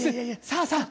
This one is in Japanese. さあさあ。